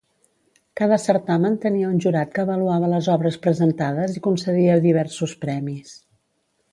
Cada certamen tenia un jurat que avaluava les obres presentades i concedia diversos premis.